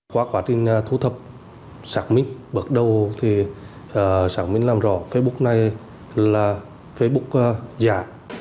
qua quá trình thu thập xác minh bước đầu thì xác minh làm rõ facebook này là facebook giả